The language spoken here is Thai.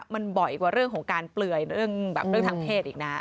มันบ่อยกว่าเรื่องของการเปลือยเรื่องแบบเรื่องทางเพศอีกนะ